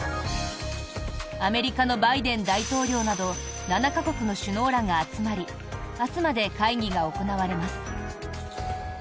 アメリカのバイデン大統領など７か国の首脳らが集まり明日まで会議が行われます。